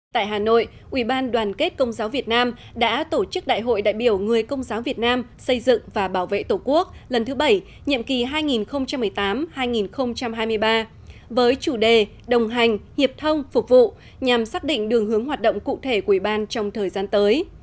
tại hà nội ủy ban đoàn kết công giáo việt nam đã tổ chức đại hội đại biểu người công giáo việt nam xây dựng và bảo vệ tổ quốc lần thứ bảy nhiệm kỳ hai nghìn một mươi tám hai nghìn hai mươi ba với chủ đề đồng hành hiệp thông phục vụ nhằm xác định đường hướng hoạt động cụ thể của ủy ban trong thời gian tới